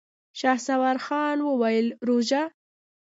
شهسوار خان وويل: روژه؟!